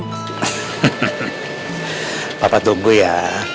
hehehe papa tunggu ya